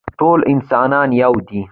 ټول انسانان یو